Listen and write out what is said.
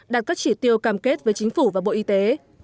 đạt các chỉ tiêu cam kết với chính phủ và bộ y tế